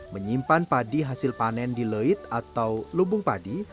menyimpan padi hasil panen di leit atau lubung padi